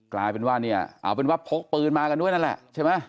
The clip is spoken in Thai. กลายเป็นว่าเนี่ยเอาเป็นว่าพกปืนมากันด้วยนั่นแหละใช่ไหม